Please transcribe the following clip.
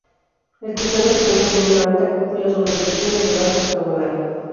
El crucero se cubre con una alta cúpula sobre pechinas de base octogonal.